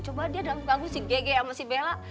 coba dia dalam ganggu si gg sama si bella